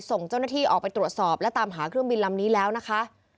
ส่งเจ้าหน้าที่ออกไปตรวจสอบและตามหาเครื่องบินลำนี้แล้วนะคะ